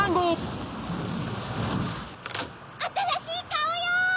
・あたらしいカオよ！